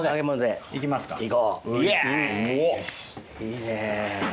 いいね。